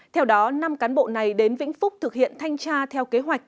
theo đó năm cán bộ này đến vĩnh phúc thực hiện thanh tra theo kế hoạch